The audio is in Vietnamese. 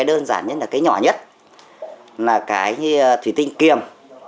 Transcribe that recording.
đơn giản nhất là cái nhỏ nhất là cái thủy tinh kiềm